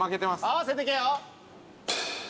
合わせてけよ。